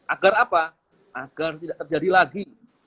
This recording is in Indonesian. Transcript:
agar apa agar tidak terjadi lagi